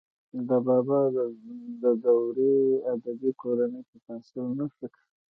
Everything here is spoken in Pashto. د بابا د دورې ادبي کورنۍ په پنسل نښه کړئ.